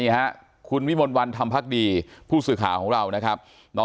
นี่ฮะคุณวิมนต์วันทำพักดีผู้สืขาของเรานะครับ